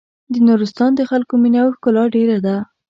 د نورستان د خلکو مينه او ښکلا ډېره ده.